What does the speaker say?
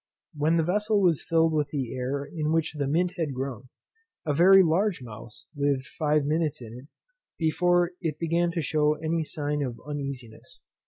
When the vessel was filled with the air in which the mint had grown, a very large mouse lived five minutes in it, before it began to shew any sign of uneasiness.